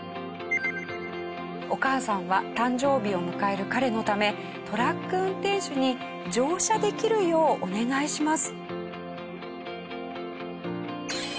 お母さんは誕生日を迎える彼のためトラック運転手に乗車できるようお願いします。